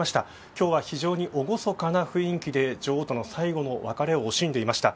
今日は非常に厳かな雰囲気で女王と最後の別れを惜しんでいました。